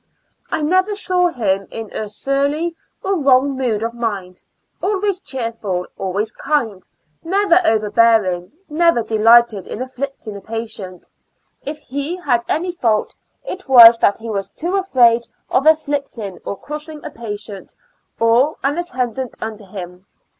I never saw him in a surly or wrong mood of mind, always cheerful, always kind, neyer over bearing, never delighted in af flicting a patient; if he had saiy fault, it was that he was too fraid of afflicting or crossing a patient^ or an attendant under him.